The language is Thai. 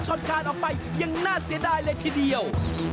คานออกไปยังน่าเสียดายเลยทีเดียว